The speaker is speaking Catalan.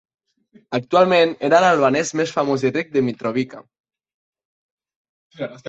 Actualment, era l'albanès més famós i ric de Mitrovica.